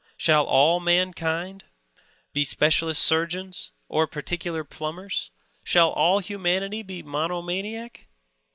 Shall all mankind be specialist surgeons or peculiar plumbers; shall all humanity be monomaniac?